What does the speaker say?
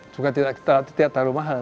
juga tidak terlalu mahal